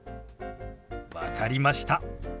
分かりました。